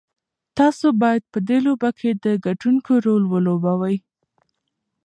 تاسو بايد په دې لوبه کې د ګټونکي رول ولوبوئ.